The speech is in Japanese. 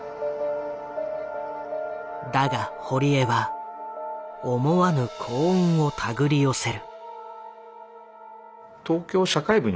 だが堀江は思わぬ幸運を手繰り寄せる。